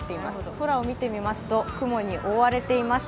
空を見てみますと、雲に覆われています。